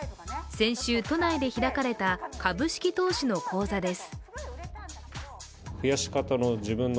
先週、都内で開かれた株式投資の講座です。